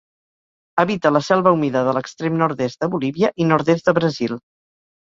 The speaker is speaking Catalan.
Habita la selva humida de l'extrem nord-est de Bolívia i nord-est de Brasil.